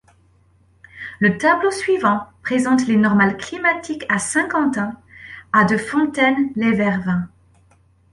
Le tableau suivant présente les normales climatiques à Saint-Quentin, à de Fontaine-lès-Vervins.